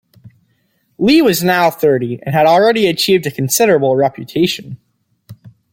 Lee was now thirty, and had already achieved a considerable reputation.